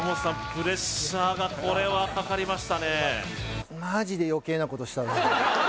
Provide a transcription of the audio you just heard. プレッシャーがこれはかかりましたね